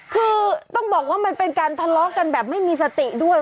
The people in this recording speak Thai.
คือต้องบอกว่ามันเป็นการทะเลาะกันแบบไม่มีสติด้วย